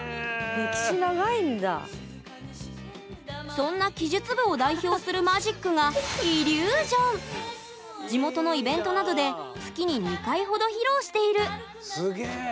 そんな奇術部を代表するマジックが地元のイベントなどで月に２回ほど披露しているすげえ！